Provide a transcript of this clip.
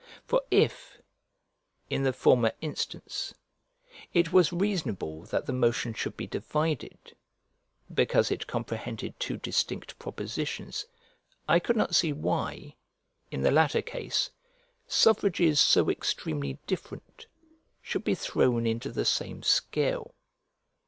For if, in the former instance, it was reasonable that the motion should be divided, because it comprehended two distinct propositions, I could not see why, in the latter case, suffrages so extremely different should be thrown into the same scale.